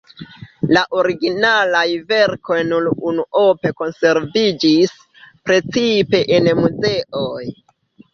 La originalaj verkoj nur unuope konserviĝis, precipe en muzeoj.